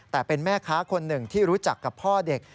แต่เป็นแม่ค้าคนหนึ่งที่รู้จักกับพ่อเด็ก